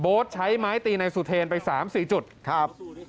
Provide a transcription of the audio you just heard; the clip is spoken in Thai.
ใช้ไม้ตีนายสุเทรนไป๓๔จุดครับ